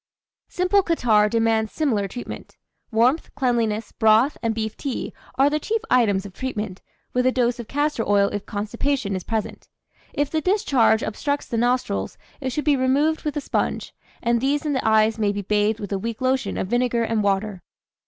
"Simple Catarrh demands similar treatment. Warmth, cleanliness, broth, and beef tea, are the chief items of treatment, with a dose of castor oil if constipation is present. If the discharge obstructs the nostrils it should be removed with a sponge, and these and the eyes may be bathed with a weak lotion of vinegar and water."